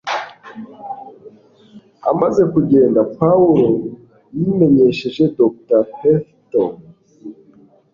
Amaze kugenda, Pawulo yimenyesheje Dr Heatherton